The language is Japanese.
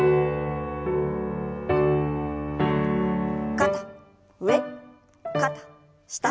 肩上肩下。